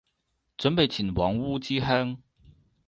準備前往烏之鄉